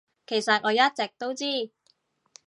其實我一直都知